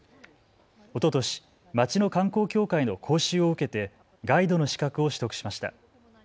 おととし、町の観光協会の講習を受けてガイドの資格を取得しました。